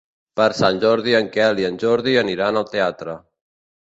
Per Sant Jordi en Quel i en Jordi aniran al teatre.